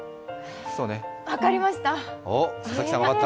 分かりました！